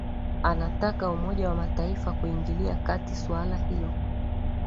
anataka umoja wa mataifa kuingilia kati suala hilo